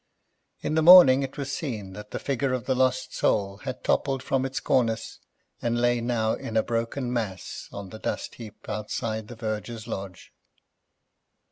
In the morning it was seen that the Figure of the Lost Soul had toppled from its cornice and lay now in a broken mass on the dust heap outside the verger's lodge.